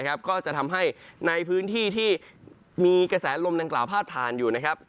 ก็จะทำให้ในพื้นที่ที่มีกระแสลมดังกล่าวพาดผ่านอยู่นะครับ